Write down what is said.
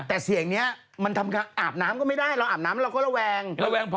แต่เสียงนี้มันทำอาบน้ำก็ไม่ได้เราอาบน้ำเราก็ระแวงระแวงพอ